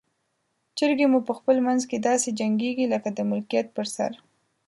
چرګې مو په خپل منځ کې داسې جنګیږي لکه د ملکیت پر سر.